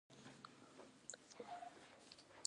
پراخوالی یې دوه لکه او شپاړس زره دی.